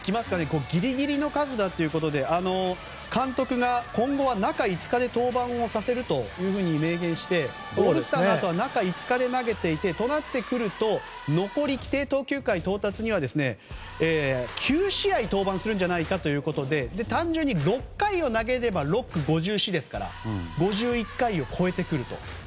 ギリギリの数ということで、監督が、今後中５日で登板をさせると明言をしてオールスターのあとは中５日で投げていてそうなってくると残り投球回到達には９試合登板をするんじゃないかということで単純に６回を投げれば５１回を超えてくると。